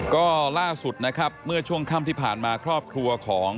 ก็ล่าสุดนะครับเมื่อช่วงค่ำที่ผ่านมาครอบครัวของ